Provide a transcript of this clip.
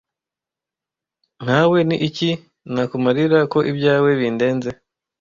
nkawe ni iki nakumarira ko ibyawe bindenze